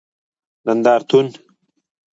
نندارتون